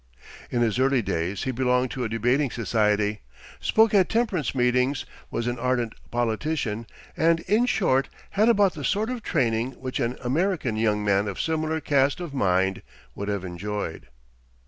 In his early days he belonged to a debating society, spoke at temperance meetings, was an ardent politician, and, in short, had about the sort of training which an American young man of similar cast of mind would have enjoyed.